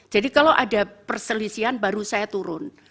jadi kalau ada perselisihan baru saya turun